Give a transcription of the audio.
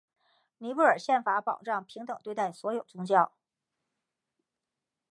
尼泊尔宪法保障平等对待所有宗教。